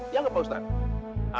ya gak pak ustadz